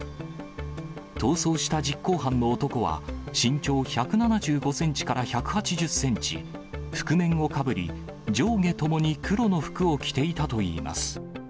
逃走した実行犯の男は、身長１７５センチから１８０センチ、覆面をかぶり、上下ともに黒の服を着ていたといいます。